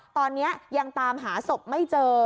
ตอนนี้ยังตามหาศพไม่เจอ